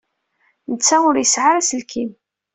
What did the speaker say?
Netta ur yesɛi ara aselkim.